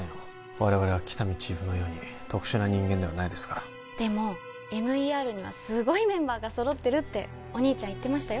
我々は喜多見チーフのように特殊な人間ではないですからでもＭＥＲにはすごいメンバーが揃ってるってお兄ちゃん言ってましたよ